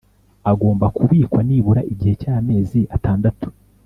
agomba kubikwa nibura igihe cyamezi atandatu